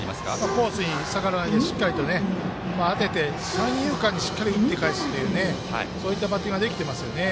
コースに逆らわないでしっかりと当てて、三遊間に打って返すというそういったバッティングできてますよね。